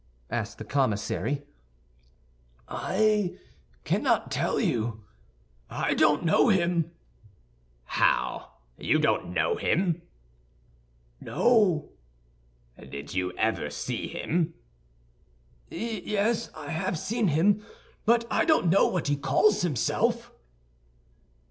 asked the commissary. "I cannot tell you; I don't know him." "How! You don't know him?" "No." "Did you never see him?" "Yes, I have seen him, but I don't know what he calls himself."